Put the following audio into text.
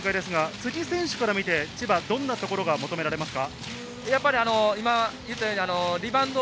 辻選手から見て、どんなところが千葉に求められますか？